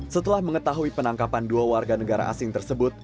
setelah mengetahui penangkapan dua warga negara asing tersebut